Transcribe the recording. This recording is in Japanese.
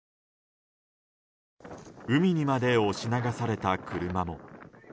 海にまで押し流された車も。